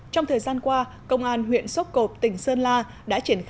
trong thời gian qua công an huyện sóc cộp tỉnh sơn la đã triển khai những công tác cải cách hành chính